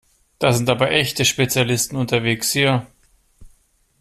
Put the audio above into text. Da sind aber echte Spezialisten unterwegs hier!